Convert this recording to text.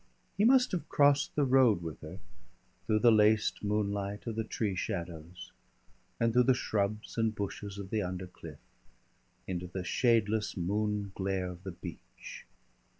He must have crossed the road with her, through the laced moonlight of the tree shadows, and through the shrubs and bushes of the undercliff, into the shadeless moon glare of the beach.